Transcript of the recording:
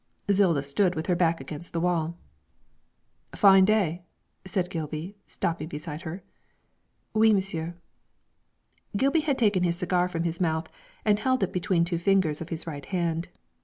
Zilda stood with her back against the wall. 'Fine day,' said Gilby, stopping beside her. 'Oui, monsieur.' Gilby had taken his cigar from his mouth, and held it between two fingers of his right hand.